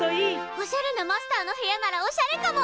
おしゃれなマスターの部屋ならおしゃれかも！